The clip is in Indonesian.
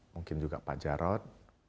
mungkin juga pak jarod